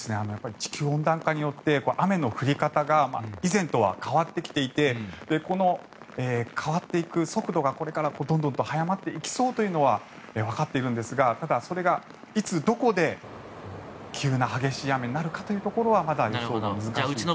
地球温暖化によって雨の降り方が以前とは変わってきていて変わっていく速度がこれからどんどん早まっていきそうというのは分かっているんですがただ、それがいつどこで急な激しい雨になるかまだ予想が難しいと。